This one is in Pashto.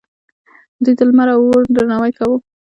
دوی د لمر او اور درناوی کاوه